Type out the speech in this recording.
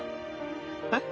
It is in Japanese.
えっ？